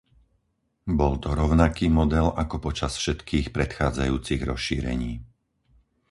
Bol to rovnaký model ako počas všetkých predchádzajúcich rozšírení.